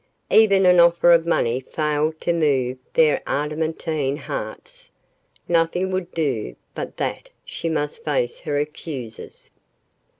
Even an offer of money failed to move their adamantine hearts. Nothing would do but that she must face her accusers.